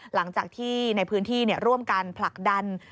หลังจากที่ในพื้นที่ร่วมกันผลักดัน